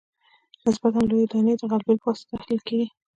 نسبتاً لویې دانې د غلبیل په واسطه تحلیل کیږي